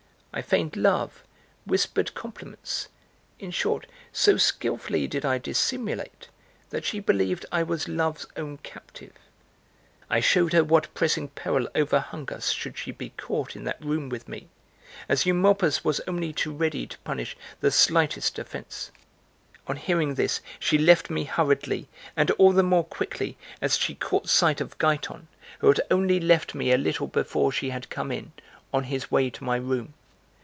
I feigned love, whispered compliments, in short, so skillfully did I dissimulate that she believed I was Love's own captive. I showed her what pressing peril overhung us should she be caught in that room with me, as Eumolpus was only too ready to punish the slightest offense. On hearing this, she left me hurriedly, and all the more quickly, as she caught sight of Giton, who had only left me a little before she had come in, on his way to my room.